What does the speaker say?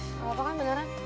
nggak apa apa kan beneran